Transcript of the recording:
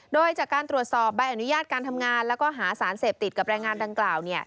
โดยจากการตรวจสอบใบอนุญาตการทำงานแล้วก็หาสารเสพติดกับแรงงานดังกล่าว